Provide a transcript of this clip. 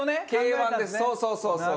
そうそうそう。